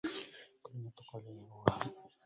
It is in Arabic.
كل يرتقى إليه بوهم